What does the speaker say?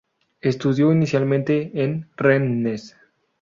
Estudió inicialmente en Rennes.